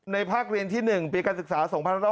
ภาคเรียนที่๑ปีการศึกษา๒๖๖